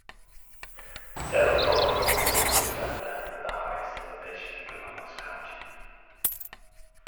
Cerro Gordo is a really flat land, with the highest elevation in Columbus county.